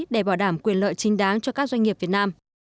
để bảo đảm quyền lợi chính đáng cho các doanh nghiệp việt nam